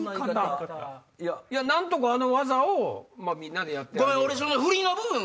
何とかあの技をみんなでやって。